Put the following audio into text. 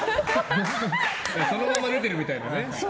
そのまま出てるみたいなね。